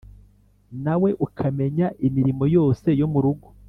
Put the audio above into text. nawe ukamenya imirimo yose yo mu rugo.